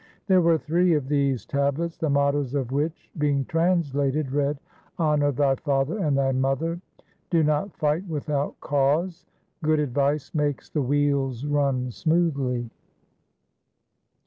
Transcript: There were three of these tablets, the mottoes of which, being translated, read: Honor thy father and thy mother! Do not fight without cause! Good advice makes the wheels run smoothly!